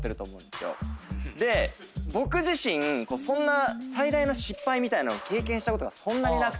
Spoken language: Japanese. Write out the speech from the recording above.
で僕自身そんな最大の失敗みたいなの経験したことがそんなになくて。